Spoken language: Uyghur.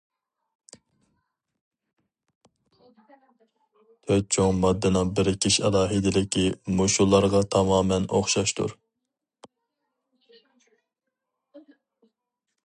تۆت چوڭ ماددىنىڭ بىرىكىش ئالاھىدىلىكى مۇشۇلارغا تامامەن ئوخشاشتۇر.